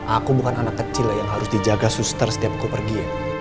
aku bukan anak kecil yang harus dijaga suster setiap kau pergi